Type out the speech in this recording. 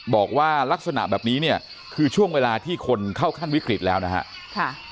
บอกว่าลักษณะแบบนี้เนี่ยคือช่วงเวลาที่คนเข้าขั้นวิกฤตแล้วนะฮะ